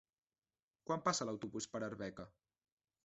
Quan passa l'autobús per Arbeca?